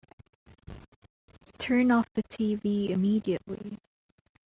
Turn off the TV immediately!